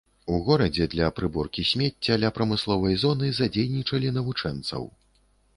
У горадзе для прыборкі смецця ля прамысловай зоны задзейнічалі навучэнцаў.